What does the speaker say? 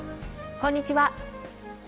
こんにちは。